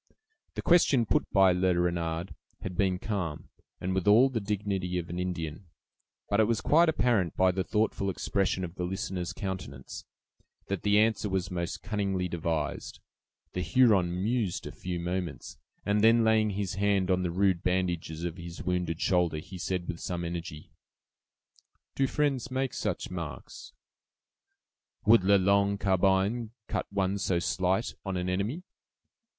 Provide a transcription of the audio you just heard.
The question put by Le Renard had been calm, and with all the dignity of an Indian; but it was quite apparent, by the thoughtful expression of the listener's countenance, that the answer was most cunningly devised. The Huron mused a few moments, and then laying his hand on the rude bandages of his wounded shoulder, he said, with some energy: "Do friends make such marks?" "Would 'La Longue Carbine' cut one so slight on an enemy?"